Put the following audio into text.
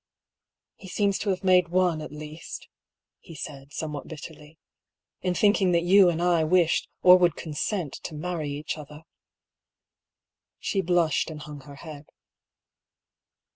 " He seems to have made one, at least," he said, somewhat bitterly —" in thinking that you and I wished —or would consent — to marry each other !" She blushed and hung her head.